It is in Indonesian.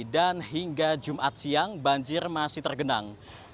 dan hingga jumat siang banjir masih tergenang